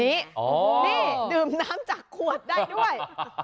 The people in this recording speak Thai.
นี่ดื่มน้ำจากขวดได้ด้วย